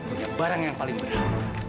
gue punya barang yang paling mudah